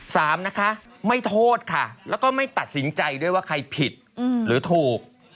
สามนะคะไม่โทษค่ะแล้วก็ไม่ตัดสินใจด้วยว่าใครผิดหรือถูก